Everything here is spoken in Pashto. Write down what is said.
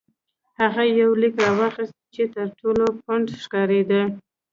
هغه یو لیک راواخیست چې تر ټولو پڼد ښکارېده.